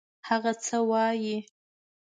هغه څه وايي.